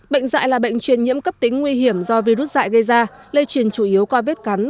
bệnh dạy là bệnh truyền nhiễm cấp tính nguy hiểm do virus dạy gây ra lây truyền chủ yếu qua vết cắn